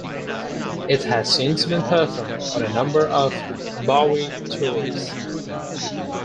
It has since been performed on a number of Bowie tours.